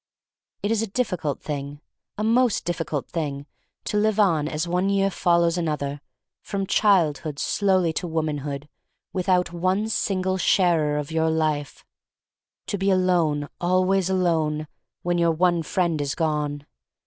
It is a difficult thing — a most difficult thing — to live on as one year follows another, from childhood slowly to 163 1 64 THE STORY OF MARY MAC LANE womanhood, without one single sharer of your life— to be alone, always alone, when your one friend is gone.